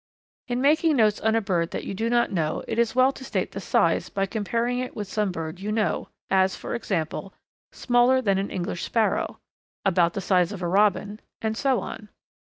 In making notes on a bird that you do not know it is well to state the size by comparing it with some bird you know, as, for example, "smaller than an English Sparrow," "about the size of a Robin," and so on.